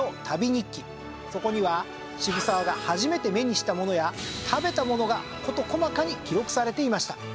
そこには渋沢が初めて目にしたものや食べたものが事細かに記録されていました。